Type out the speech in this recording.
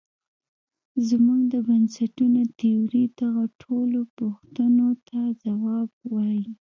زموږ د بنسټونو تیوري دغو ټولو پوښتونو ته ځواب وايي.